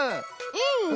うん！